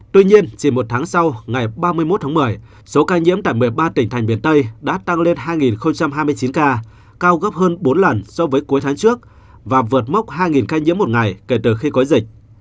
tuy nhiên chỉ một tháng sau ngày ba mươi một tháng một mươi số ca nhiễm tại một mươi ba tỉnh thành miền tây đã tăng lên hai hai mươi chín ca cao gấp hơn bốn lần so với cuối tháng trước và vượt mốc hai ca nhiễm một ngày kể từ khi có dịch